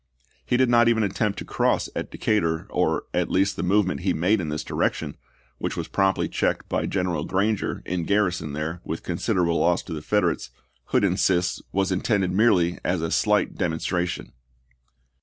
He did not even attempt to cross at Decatur, or, at least, the move ment he made in this direction, which was promptly checked by General Granger, in garrison there, with considerable loss to the Confederates, Hood insists was intended merely as a slight demonstra tion.